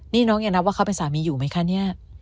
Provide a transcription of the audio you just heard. นี่น้องอย่านับว่าเขาเป็นสามีอยู่ไหมคะเนี่ย